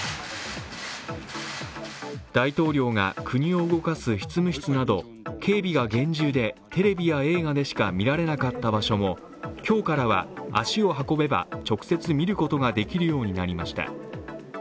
大統領が国を動かす執務室など、警備が厳重でテレビや映画でしか見られなかった場所も今日からは足を運べば直接見ることができるようになりました。